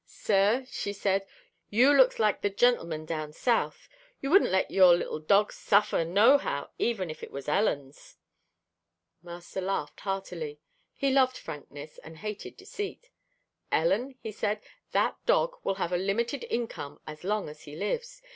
"Sir," she said, "you looks like the gen'l'men down South you wouldn't let your little dog suffer nohow, even if it was Ellen's." Master laughed heartily. He loved frankness, and hated deceit. "Ellen," he said, "that dog will have a limited income as long as he lives.